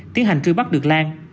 tiến hành truy bắt được lan